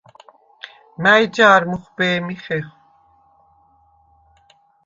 მა̈ჲ ჯა̄რ მუხვბე̄მი ხეხვ?